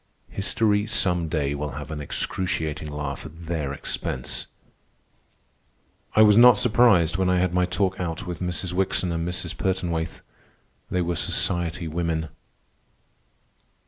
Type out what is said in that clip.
History, some day, will have an excruciating laugh at their expense." I was not surprised when I had my talk out with Mrs. Wickson and Mrs. Pertonwaithe. They were society women.